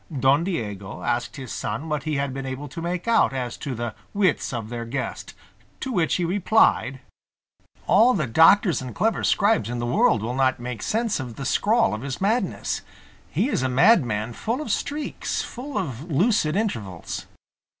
Don Diego asked his son what he had been able to make out as to the wits of their guest. To which he replied, "All the doctors and clever scribes in the world will not make sense of the scrawl of his madness; he is a madman full of streaks, full of lucid intervals."